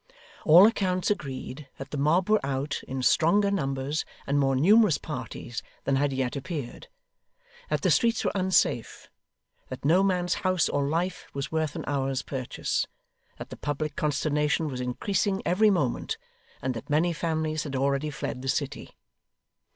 All accounts agreed that the mob were out, in stronger numbers and more numerous parties than had yet appeared; that the streets were unsafe; that no man's house or life was worth an hour's purchase; that the public consternation was increasing every moment; and that many families had already fled the city.